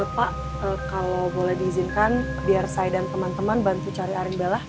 pak kalau boleh diizinkan biar saya dan teman teman bantu cari arinda lah